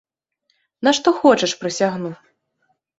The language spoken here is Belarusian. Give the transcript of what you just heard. На што хочаш прысягну!